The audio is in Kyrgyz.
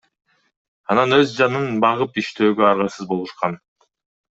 Анан өз жанын багып иштөөгө аргасыз болушкан.